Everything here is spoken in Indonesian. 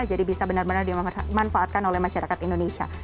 jadi bisa benar benar dimanfaatkan oleh masyarakat indonesia